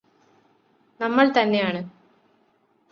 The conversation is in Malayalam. നമ്മള് തന്നെയാണ്